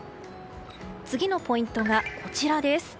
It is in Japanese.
次のポイントが、こちら。